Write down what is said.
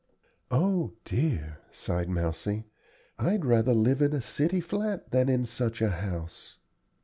"O dear!" sighed Mousie, "I'd rather live in a city flat than in such a house."